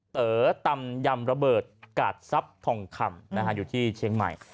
เต๋อตำยำระเบิดกาดทรัพย์ทองคำอยู่ที่เชียงใหม่